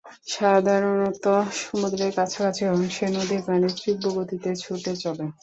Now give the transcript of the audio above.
সাধারণত সমুদ্রের কাছাকাছি অংশে নদীর পানি তীব্র গতিতে ছুটে চলে।